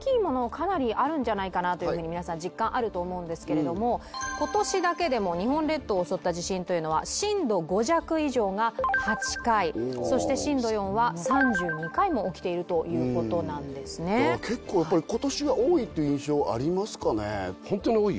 かなりあるんじゃないかなというふうに皆さん実感あると思うんですけれども今年だけでも日本列島を襲った地震というのは震度５弱以上が８回そして震度４は３２回も起きているということなんですね結構やっぱり今年は多いという印象ありますかね